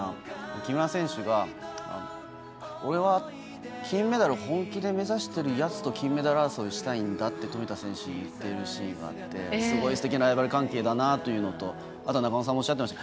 木村選手が俺は、金メダル本気で目指してるやつと金メダル争いをしたいんだと富田選手に言っているシーンがあってすごいすてきなライバル関係だなというのと。